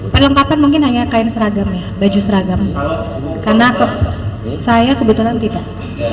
perlengkapan mungkin hanya kain seragam ya baju seragam karena saya kebetulan tidak